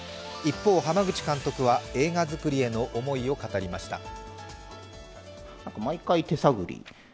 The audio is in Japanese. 一方、濱口監督は映画作りへの思いを語りました。